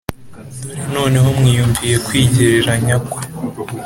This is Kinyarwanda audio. Dore noneho mwiyumviye kwigereranya kwe